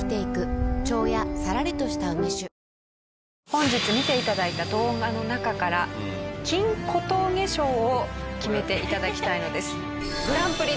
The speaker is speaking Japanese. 本日見て頂いた動画の中から金小峠賞を決めて頂きたいのです。